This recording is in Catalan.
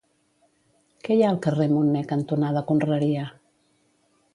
Què hi ha al carrer Munné cantonada Conreria?